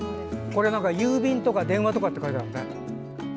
郵便とか電話とかって書いてあるね。